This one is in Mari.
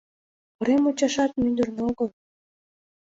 Корем мучашат мӱндырнӧ огыл.